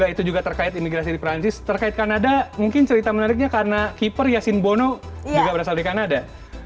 itu juga terkait imigrasi di perancis terkait kanada mungkin cerita menariknya karena keeper yasin bono juga berasal dari kanada